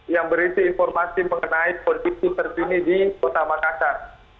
yang berisi informasi mengenai kondisi terkini di kota makassar